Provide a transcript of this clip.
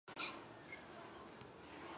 平时公爵也能用手上的枪枝直接敲人。